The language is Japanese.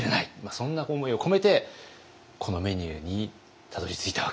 そんな思いを込めてこのメニューにたどりついたわけです。